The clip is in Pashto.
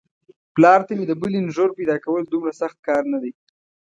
پلار ته مې د بلې نږور پيداکول دومره سخت کار نه دی.